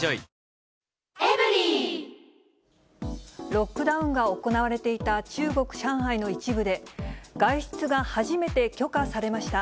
ロックダウンが行われていた中国・上海の一部で、外出が初めて許可されました。